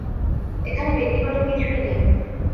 এখানে ব্যক্তিগত কিছুই নেই।